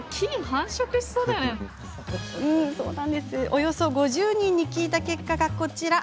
およそ５０人に聞いた結果はこちら。